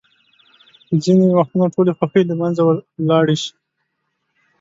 ځینې وختونه ټولې خوښۍ له منځه ولاړې شي.